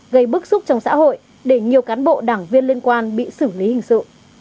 gây bức xúc trong xã hội để nhiều cán bộ đảng viên liên quan bị xử lý hình sự